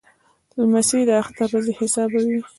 لمسی د اختر ورځې حسابوي.